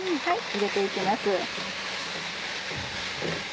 入れて行きます。